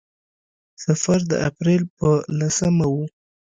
سفر د اپرېل په لسمه و.